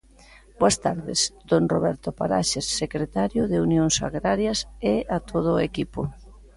Boas tardes, don Roberto Paraxes, secretario de Unións Agrarias, e a todo o equipo.